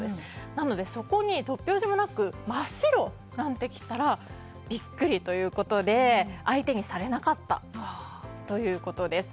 なので、そこに突拍子もなく真っ白なんていったらビックリということで相手にされなかったということです。